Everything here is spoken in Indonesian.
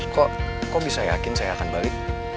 kok kau bisa yakin saya akan balik